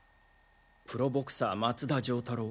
プロボクサー松田丈太郎